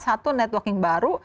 satu networking baru